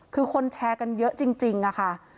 คือคนแชร์กันเยอะจริงค่ะ